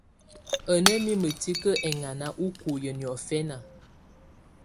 Á ná mimǝ́ tikǝ́ ɛŋáná úkuiyi niɔ̀fɛna.